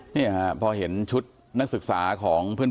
เนี่ยฮะพอเห็นชุดนักศึกษาของเพื่อนนะครับ